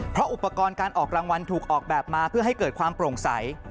เพราะอุปกรณ์การออกรางวัลถูกออกแบบมาเพื่อให้เกิดความโปร่งใส